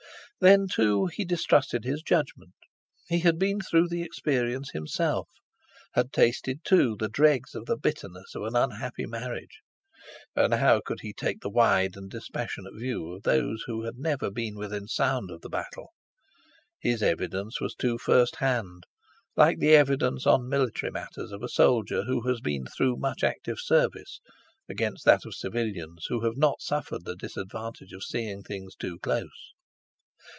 Then, too, he distrusted his judgment. He had been through the experience himself, had tasted to the dregs the bitterness of an unhappy marriage, and how could he take the wide and dispassionate view of those who had never been within sound of the battle? His evidence was too first hand—like the evidence on military matters of a soldier who has been through much active service, against that of civilians who have not suffered the disadvantage of seeing things too close.